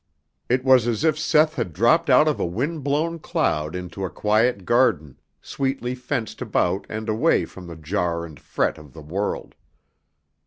It was as if Seth had dropped out of a wind blown cloud into a quiet garden, sweetly fenced about and away from the jar and fret of the world.